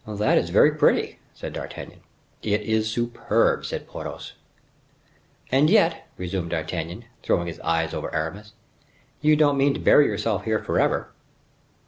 "That is very pretty," said D'Artagnan. "It is superb!" said Porthos. "And yet," resumed D'Artagnan, throwing his eyes over Aramis, "you don't mean to bury yourself here forever?"